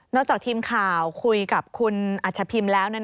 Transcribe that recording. จากทีมข่าวคุยกับคุณอัชพิมพ์แล้ว